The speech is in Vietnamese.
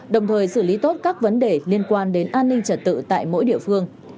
đồng thời xử lý tốt các vấn đề liên quan đến an ninh trật tự tại mỗi địa phương